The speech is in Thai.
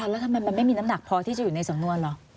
แล้วทำไมมันไม่มีน้ำหนักพอที่จะอยู่ในสำนวนเหรอ